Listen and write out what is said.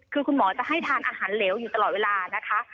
คือคุณหมอจะให้ทานอาหารเหลวอยู่ตลอดเวลานะคะ